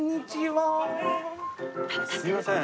突然すいません。